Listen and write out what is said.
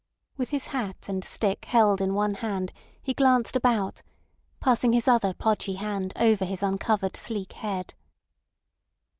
With his hat and stick held in one hand he glanced about, passing his other podgy hand over his uncovered sleek head.